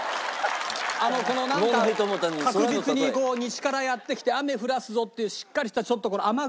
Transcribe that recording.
あのこのなんか確実にこう西からやって来て雨降らすぞっていうしっかりしたちょっとこの雨雲。